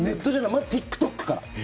まずＴｉｋＴｏｋから。